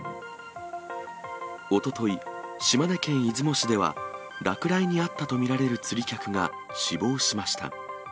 おととい、島根県出雲市では、落雷に遭ったと見られる釣り客が死亡しました。